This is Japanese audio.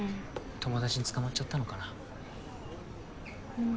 友達に捕まっちゃったのかな？